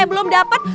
yang belum dapat